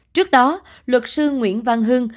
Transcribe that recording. trước đó luật sư nguyễn văn hương